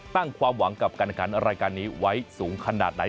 ความหวังกับการขันรายการนี้ไว้สูงขนาดไหน